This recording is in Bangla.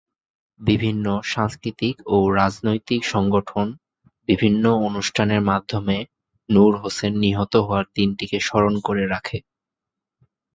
বিভিন্ন সাংস্কৃতিক ও রাজনৈতিক সংগঠন বিভিন্ন অনুষ্ঠানের মাধ্যমে নূর হোসেন নিহত হওয়ার দিনটিকে স্মরণীয় করে রাখে।